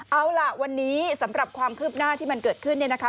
เอาล่ะวันนี้สำหรับความคืบหน้าที่มันเกิดขึ้นเนี่ยนะคะ